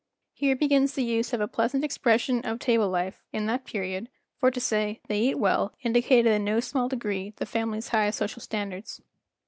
Here begins the use of a pleasant expression of table life in that period, for to say "They eat well" indicated in no small degree the family's high social standards.